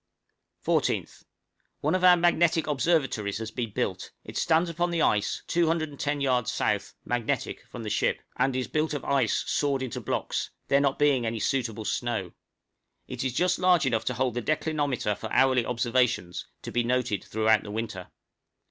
14th. One of our magnetic observatories has been built; it stands upon the ice, 210 yards S. (magnetic) from the ship, and is built of ice sawed into blocks there not being any suitable snow; it is just large enough to hold the declinometer for hourly observations, to be noted throughout the winter.